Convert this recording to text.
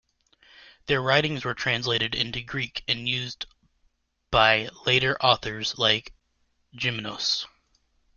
Their writings were translated into Greek and used by later authors like Geminos.